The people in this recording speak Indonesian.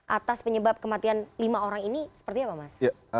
atas penyebab kematian lima orang ini seperti apa mas